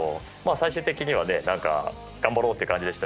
最終的には頑張ろうって感じでした。